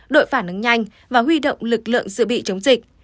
đội phản ứng nhanh và huy động lực lượng dự bị chống dịch